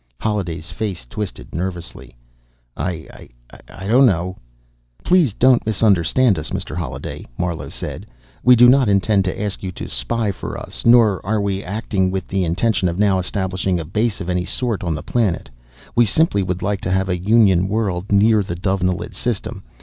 Holliday's face twisted nervously. "I ... I don't know " "Please don't misunderstand us, Mr. Holliday," Marlowe said. "We do not intend to ask you to spy for us, nor are we acting with the intention of now establishing a base of any sort on the planet. We simply would like to have a Union world near the Dovenilid system.